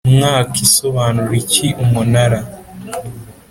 mwaka isobanura iki Umunara